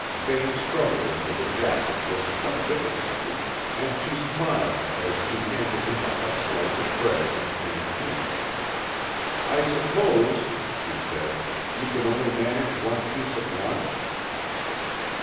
Vane struggled into the jacket with some difficulty, and she smiled as she handed him up a slice of bread and canned meat. "I suppose," she said, "you can only manage one piece at once?"